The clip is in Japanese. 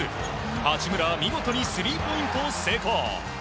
八村は見事スリーポイント成功。